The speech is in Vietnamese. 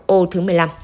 ô thứ một mươi năm